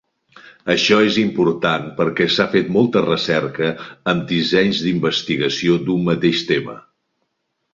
Això és important perquè s'ha fet molta recerca amb dissenys d'investigació d'un mateix tema.